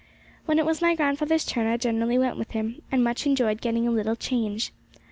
When it was my grandfather's turn, I generally went with him, and much enjoyed getting a little change.